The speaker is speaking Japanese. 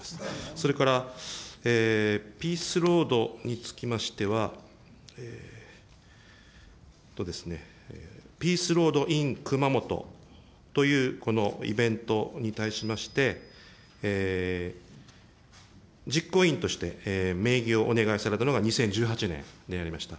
それからピースロードにつきましては、ピースロードイン熊本というこのイベントに対しまして、実行委員として名義をお願いされたのが２０１８年でありました。